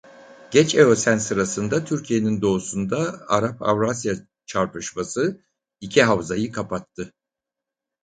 Geç Eosen sırasında Türkiye'nin doğusunda Arap-Avrasya çarpışması iki havzayı kapattı.